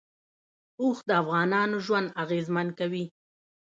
اوښ د افغانانو ژوند اغېزمن کوي.